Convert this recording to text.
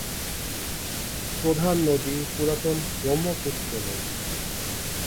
প্রধান নদী পুরাতন ব্রহ্মপুত্র নদী।